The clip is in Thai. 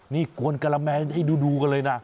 นี่กวนกะละแมนให้ดูกันเลยนะ